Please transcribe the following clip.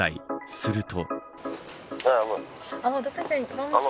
すると。